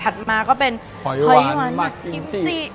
ถัดมาก็เป็นกิมซี่